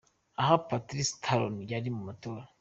Aha Patrice Talon yari mu matora